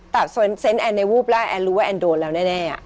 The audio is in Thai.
เซ็นต์แอนในวูบแรกแอนรู้ว่าแอนโดนแล้วแน่